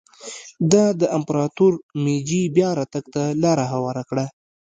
دا د امپراتور مېجي بیا راتګ ته لار هواره کړه.